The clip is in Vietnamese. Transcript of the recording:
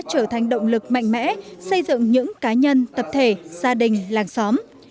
trở thành động lực mạnh mẽ xây dựng những cá nhân tập thể gia đình làng xóm